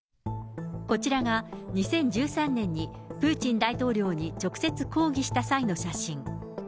こちらが２０１３年にプーチン大統領に直接抗議した際の写真。